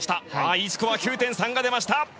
Ｅスコア、９．３が出ました！